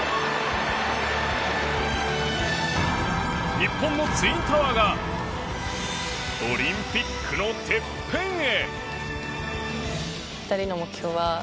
日本のツインタワーがオリンピックのてっぺんへ！